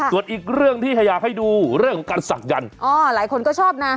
ส่วนอีกเรื่องที่อยากให้ดูเรื่องของการศักดันอ๋อหลายคนก็ชอบนะ